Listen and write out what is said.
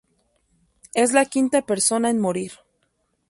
Es la quinta persona en morir.